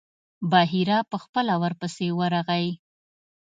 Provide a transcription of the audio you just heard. بحیرا په خپله ورپسې ورغی.